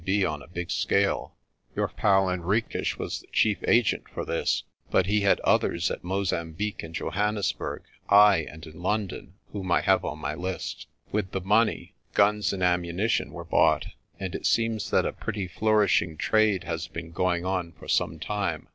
D.B. on a big scale. Your pal, Hen riques, was the chief agent for this, but he had others at Mozambique and Johannesburg, ay, and in London, whom I have on my list. With the money guns and ammunition were bought, and it seems that a pretty flourishing trade has been going on for some time.